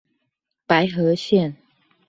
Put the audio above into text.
白河線